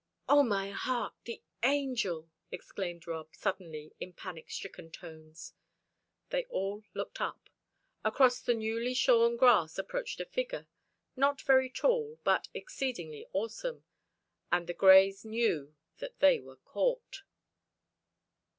"Oh, my heart, the Angel!" exclaimed Rob, suddenly, in panic stricken tones. They all looked up. Across the newly shorn grass approached a figure, not very tall, but exceedingly awesome, and the Greys knew that they were caught.